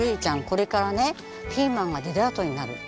これからねピーマンがデザートになるっていう。